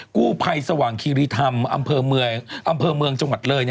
กู้ภัยสว่างคีรีธรรมอำเภอเมืองจังหวัดเลย